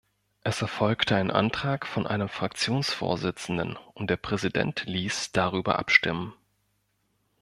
Es erfolgte ein Antrag von einem Fraktionsvorsitzenden, und der Präsident ließ darüber abstimmen.